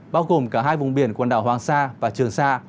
bao gồm cả hai vùng biển quần đảo hoàng sa và trường sa